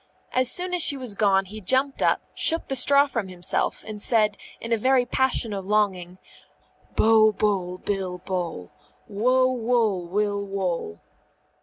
As soon as she was gone he jumped up, shook the straw from himself, and said in a very passion of longing, Bo, boll, bill, bole. _Wo, woll, will, wole.